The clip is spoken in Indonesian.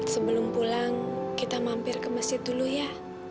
sebelum pulang kita mampir ke masjid dulu ya